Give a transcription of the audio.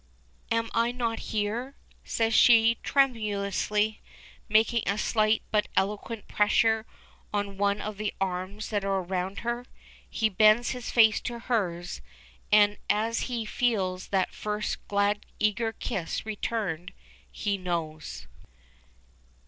"Am I not here?" says she, tremulously, making a slight but eloquent pressure on one of the arms that are round her. He bends his face to hers, and as he feels that first glad eager kiss returned he knows!